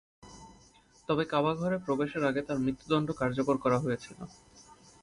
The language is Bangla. তবে কাবা ঘরে প্রবেশের আগে তার মৃত্যুদন্ড কার্যকর করা হয়েছিল।